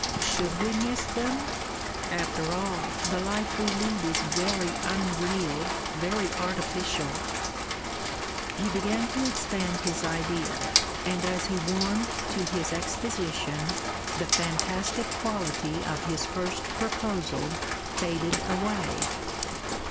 "Should we miss them? After all, the life we lead is very unreal very artificial." He began to expand his idea, and as he warmed to his exposition the fantastic quality of his first proposal faded away.